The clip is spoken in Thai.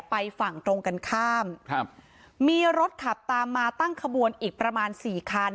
ไปฝั่งตรงกันข้ามครับมีรถขับตามมาตั้งขบวนอีกประมาณสี่คัน